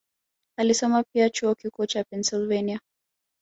Alisoma pia Chuo Kikuu cha Pennsylvania